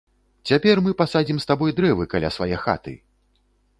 Цяпер мы пасадзім з табой дрэвы каля свае хаты!